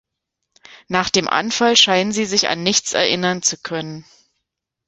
Nach dem Anfall scheinen sie sich an nichts erinnern zu können.